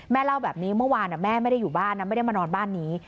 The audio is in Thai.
เล่าแบบนี้เมื่อวานแม่ไม่ได้อยู่บ้านนะไม่ได้มานอนบ้านนี้